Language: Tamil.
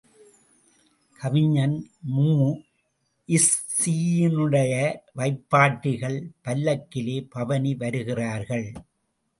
கவிஞன் மூ இஸ்ஸியினுடைய வைப்பாட்டிகள் பல்லக்கிலே பவனி வருகிறார்கள்.